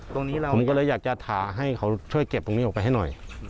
ตรงนี้เราผมก็เลยอยากจะถ่าให้เขาช่วยเก็บตรงนี้ออกไปให้หน่อย